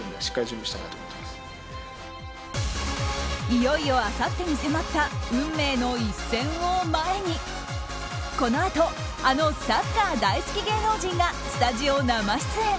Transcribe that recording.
いよいよあさってに迫った運命の一戦を前にこのあとあのサッカー大好き芸能人がスタジオ生出演。